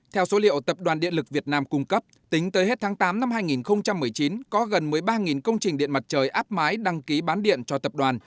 theo số liệu tập đoàn điện lực việt nam cung cấp tính tới hết tháng tám năm hai nghìn một mươi chín có gần một mươi ba công trình điện mặt trời áp mái đăng ký bán điện cho tập đoàn